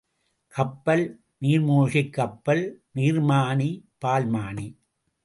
கப்பல், நீர்மூழ்கிக் கப்பல், நீர்மானி, பால்மானி.